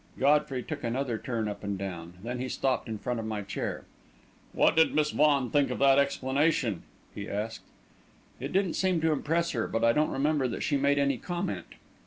Godfrey took another turn up and down, then he stopped in front of my chair. "What did Miss Vaughan think of that explanation?" he asked. "It didn't seem to impress her, but I don't remember that she made any comment."